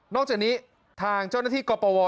จากนี้ทางเจ้าหน้าที่กรปว